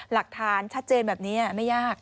หลักฐานชัดเจนแบบนี้ไม่ยาก